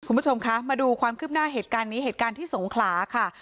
คุณผู้ชมคะมาดูความคืบหน้าเหตุการณ์นี้เหตุการณ์ที่สงขลาค่ะ